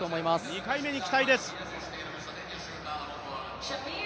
２回目に期待です。